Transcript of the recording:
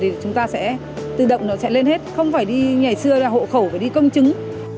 thì chúng ta sẽ tự động nó sẽ lên hết không phải đi ngày xưa là hộ khẩu phải đi công chứng